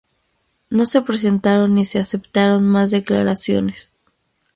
No se presentaron ni se aceptaron más declaraciones.